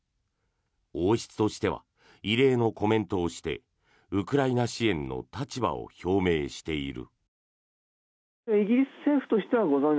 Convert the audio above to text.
王室としては異例のコメントをしてウクライナ支援の立場を表明している。